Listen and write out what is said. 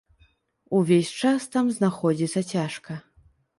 Увесь час там знаходзіцца цяжка.